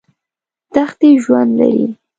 دښتې ژوند لري.